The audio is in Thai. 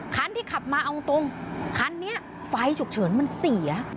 คันที่ขับมาเอาตรงคันนี้ไฟฉุกเฉินมันเสีย